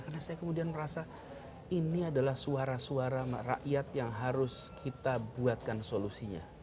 karena saya kemudian merasa ini adalah suara suara rakyat yang harus kita buatkan solusinya